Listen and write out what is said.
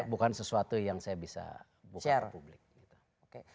bukan sesuatu yang saya bisa share